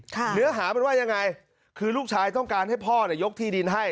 เนื้อหามันว่ายังไงคือลูกชายต้องการให้พ่อเนี่ยยกที่ดินให้